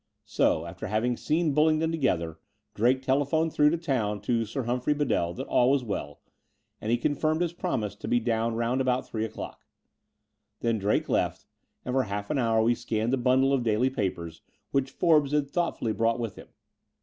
So, after having seen Bullingdon together, Drake telephoned through to town to Sir Humphrey Bedell that all was well; and he confirmed his promise to be down round about three o'clock. Then Drake left ; and for half an hour we scanned the bundle of daily papers, which Forbes had thoughtfully brought with him.